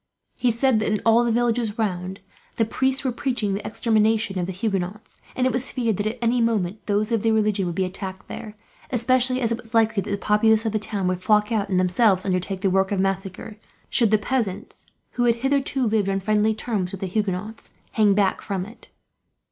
He said that in all the villages round, the priests were preaching the extermination of the Huguenots; and it was feared that, at any moment, those of the religion would be attacked there; especially as it was likely that the populace of the town would flock out, and themselves undertake the work of massacre should the peasants, who had hitherto lived on friendly terms with the Huguenots, hang back from it.